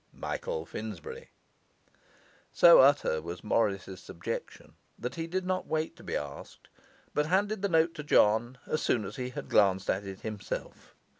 MICHAEL FINSBURY So utter was Morris's subjection that he did not wait to be asked, but handed the note to John as soon as he had glanced at it himself.